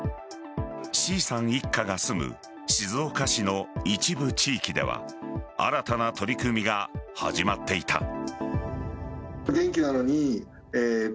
Ｃさん一家が住む静岡市の一部地域では新たな取り組みが始まっていた。